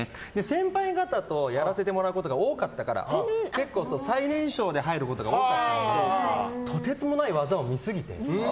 先輩方とやらせてもらうことが多かったから結構、最年少で入ることが多かったのでとてつもない技を見すぎて。